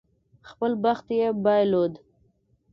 خپل بخت یې بایلود.